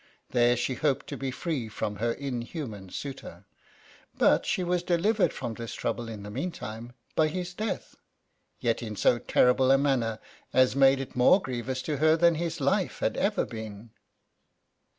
There she hoped to be free from her inhuman suitor ; but she was delivered from this trouble in the meantime by his death, yet in so terrible a manner, as made it more grievous to her than his life had ever been.